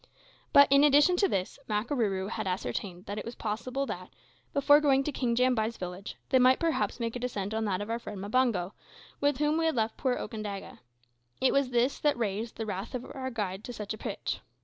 But, in addition to this, Makarooroo had ascertained that it was possible that, before going to King Jambai's village, they might perhaps make a descent on that of our friend Mbango, with whom we had left poor Okandaga. It was this that raised the wrath of our guide to such a pitch.